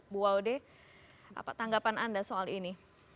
bu laude apa tanggapan anda soal ini